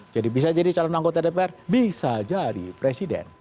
jadi bisa jadi calon anggota dpr bisa jadi presiden